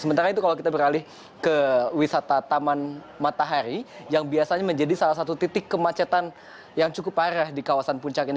sementara itu kalau kita beralih ke wisata taman matahari yang biasanya menjadi salah satu titik kemacetan yang cukup parah di kawasan puncak ini